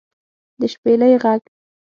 د شپېلۍ غږ